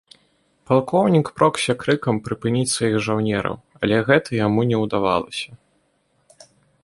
Палкоўнік прогся крыкам прыпыніць сваіх жаўнераў, але гэта яму не удавалася.